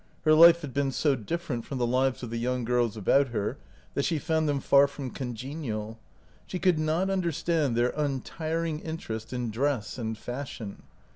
Her life had been so different from the lives of the young girls about her that she found them far from congenial. She could not understand their untiring interest in dress and fashion.